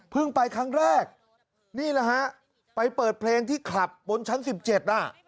ไปครั้งแรกนี่แหละฮะไปเปิดเพลงที่คลับบนชั้น๑๗น่ะ